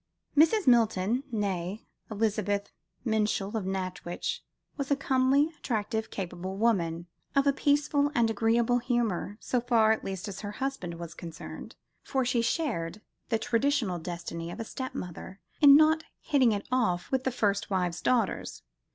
Mrs. Milton, née Elizabeth Minshull, of Nantwich, was a comely, active, capable woman, "of a peaceful and agreeable humour," so far at least as her husband was concerned: for she shared the traditional destiny of a stepmother in not "hitting it off" with the first wife's daughters.